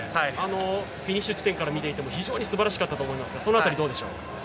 フィニッシュ地点から見ていても非常にすばらしかったと思いますがその辺り、どうでしょう。